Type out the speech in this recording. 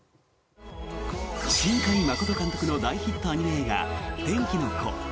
新海誠監督の大ヒットアニメ映画「天気の子」。